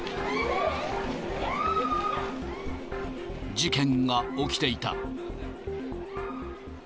事件が起きていた。